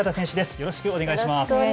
よろしくお願いします。